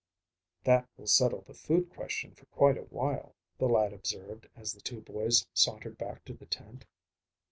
"That will settle the food question for quite a while," the lad observed, as the two boys sauntered back to the tent.